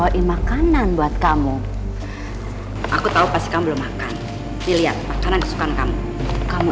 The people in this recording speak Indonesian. jadi aku ingat makamu